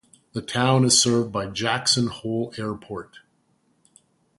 The town is served by Jackson Hole Airport.